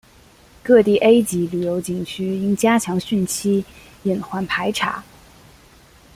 各地 A 级旅游景区应加强汛期隐患排查